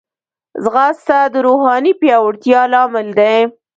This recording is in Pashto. ځغاسته د روحاني پیاوړتیا لامل دی